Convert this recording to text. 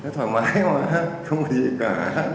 thoải mái mà không có gì cả